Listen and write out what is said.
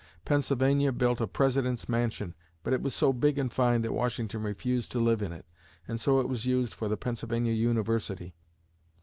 Pennsylvania built a President's Mansion, but it was so big and fine that Washington refused to live in it, and so it was used for the Pennsylvania University.